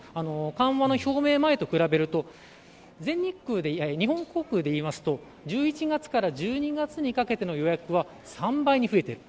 緩和の表明前と比べると日本航空でいいますと１１月から１２月にかけての予約は、３倍に増えている。